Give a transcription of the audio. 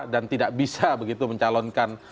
dan tidak bisa begitu mencalonkan